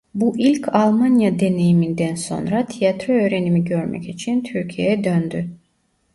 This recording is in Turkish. Bu ilk Almanya deneyiminden sonra tiyatro öğrenimi görmek için Türkiye'ye döndü.